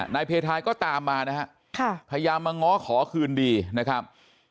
นายเพทายก็ตามมานะฮะพยายามมาง้อขอคืนดีนะครับ